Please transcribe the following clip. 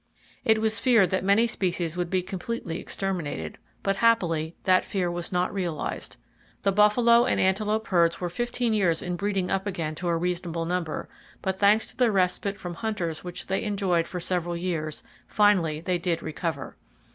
It was feared that many species would be completely exterminated, but happily that fear was not realized. The buffalo and antelope herds were fifteen years in breeding up again to a reasonable number, but thanks to the respite from hunters which they enjoyed for several years, finally they did recover.